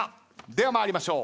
では参りましょう。